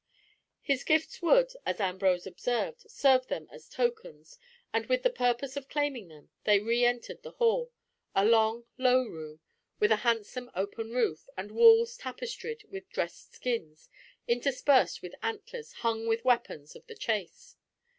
His gifts would, as Ambrose observed, serve them as tokens, and with the purpose of claiming them, they re entered the hall, a long low room, with a handsome open roof, and walls tapestried with dressed skins, interspersed with antlers, hung with weapons of the chase.